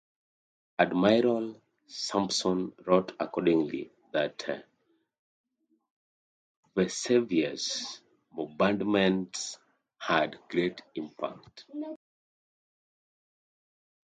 Admiral Sampson wrote accordingly, that "Vesuvius" bombardments had "great effect.